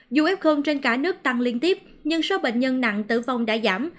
dù f trên cả nước tăng liên tiếp nhưng số bệnh nhân nặng tử vong đã giảm